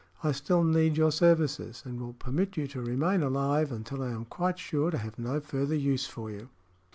I still need your services, and will permit you to remain alive until I am quite sure to have no further use for you."